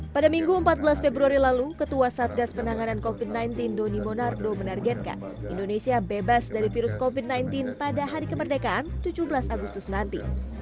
pada minggu empat belas februari lalu ketua satgas penanganan covid sembilan belas doni monardo menargetkan indonesia bebas dari virus covid sembilan belas pada hari kemerdekaan tujuh belas agustus nanti